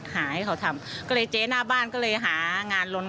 พูดได้ทุกคนขยันทำงานเก่ง